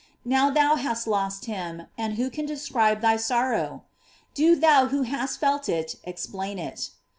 Now thou hast lost him, and who can describe thy sorrow ? Do thou who hast felt it explain it.